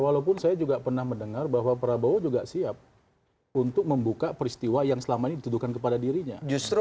walaupun saya juga pernah mendengar bahwa prabowo juga siap untuk membuka peristiwa yang selama ini dituduhkan kepada dirinya